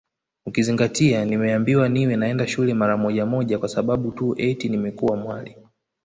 Ukizingatia nimeambiwa niwe naenda shule mara moja moja kwa sababu tu eti nimekuwa mwali